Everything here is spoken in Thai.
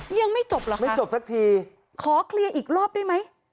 ยังไม่จบเหรอคะไม่จบสักทีขอเคลียร์อีกรอบได้ไหม